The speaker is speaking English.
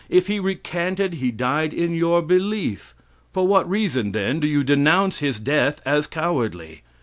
If he recanted he died in your belief. For what reason, then, do you denounce his death as cowardly?